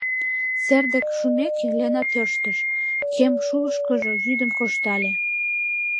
Сер дек шумеке, Лена тӧрштыш, кем шулышышкыжо вӱдым коштале.